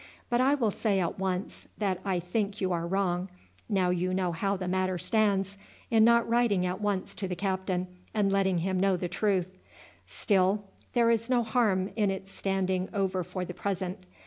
But I will say at once that I think that you are wrong, now you know how the matter stands, in not writing at once to the captain and letting him know the truth. Still there is no harm in its standing over for the present.